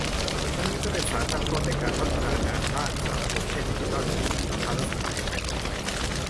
ทั้งนี้เพื่อเป็นสารตั้งต้น ในการพัฒนางานด้านสารสนเทศดิจิทัล ในยุคของอาคารรัฐสภาแห่งใหม่ต่อไป